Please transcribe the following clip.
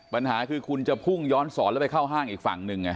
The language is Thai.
ปัญหาคือคุณจะพุ่งย้อนสอนแล้วไปเข้าห้างอีกฝั่งหนึ่งไง